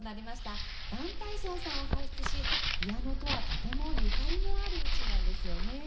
ダン・タイ・ソンさんを輩出しピアノとはとてもゆかりのある地なんですよね。